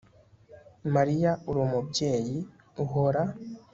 mariya uri umubyeyi, uhora